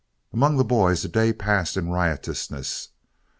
Among the boys the day passed in riotousness.